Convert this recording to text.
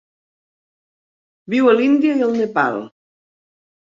Viu a l'Índia i el Nepal.